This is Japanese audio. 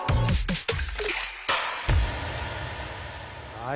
はい。